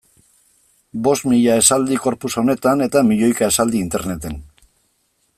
Bost mila esaldi corpus honetan eta milioika esaldi interneten.